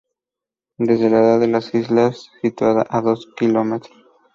Desde la aldea de Las Islas, situada a dos km.